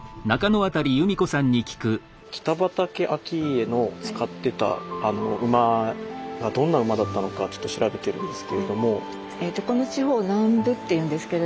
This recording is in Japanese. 北畠顕家の使ってた馬がどんな馬だったのかちょっと調べてるんですけれども。